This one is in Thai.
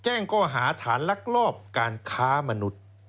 ก้อหาฐานลักลอบการค้ามนุษย์